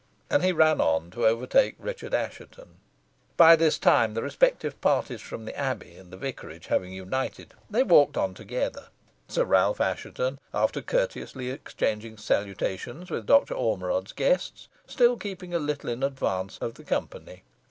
And he ran on to overtake Richard Assheton. By this time the respective parties from the Abbey and the Vicarage having united, they walked on together, Sir Ralph Assheton, after courteously exchanging salutations with Dr. Ormerod's guests, still keeping a little in advance of the company.